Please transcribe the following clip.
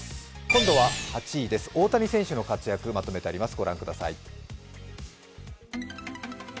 今度は８位、大谷選手の活躍、まとめてあります。